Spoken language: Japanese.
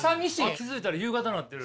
気付いたら夕方なってる。